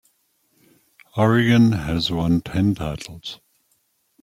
Oregon has won ten titles.